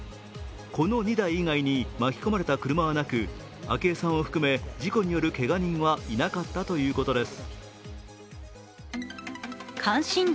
この２台以外に巻き込まれた車はなく、昭恵さんを含め事故によるけが人はいなかったということです。